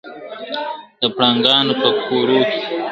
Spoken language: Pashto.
د پړانګانو په کوروکي ..